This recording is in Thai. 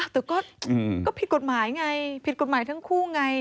แต่ก็ผิดกฎหมายไงผิดกฎหมายทั้งคู่ไง